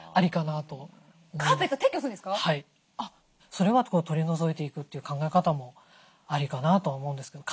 それは取り除いていくという考え方もありかなとは思うんですけど。